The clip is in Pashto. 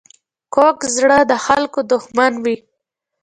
کوږ زړه د خلکو دښمن وي